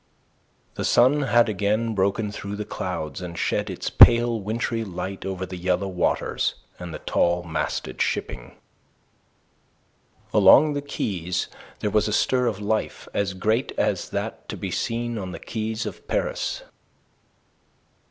The sun had again broken through the clouds, and shed its pale wintry light over the yellow waters and the tall masted shipping. Along the quays there was a stir of life as great as that to be seen on the quays of Paris.